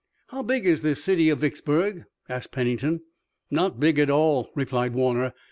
"How big is this city of Vicksburg?" asked Pennington. "Not big at all," replied Warner.